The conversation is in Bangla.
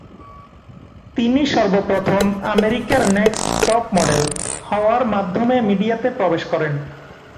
তিনি সর্বপ্রথম "আমেরিকার নেক্সট টপ মডেল" হওয়ার মাধ্যমে মিডিয়াতে প্রবেশ করেন।